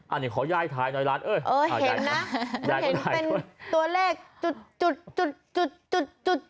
อันนี้ขอยายถ่ายหน่อยร้านเอ้ยตัวเลขจุดดูเอง